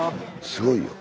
すごいよ。